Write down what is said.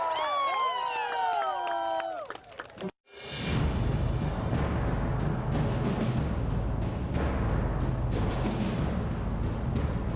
สวัสดีครับ